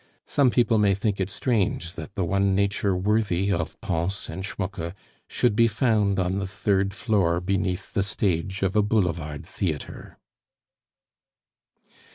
Some people may think it strange that the one nature worthy of Pons and Schmucke should be found on the third floor beneath the stage of a boulevard theatre.